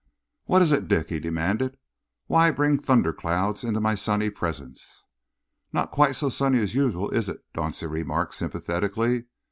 "What is it, Dick?" he demanded. "Why bring thunderclouds into my sunny presence?" "Not quite so sunny as usual, is it?" Dauncey remarked sympathetically.